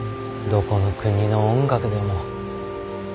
どこの国の音楽でも。